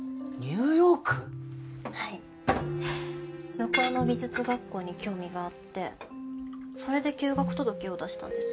向こうの美術学校に興味があってそれで休学届を出したんです。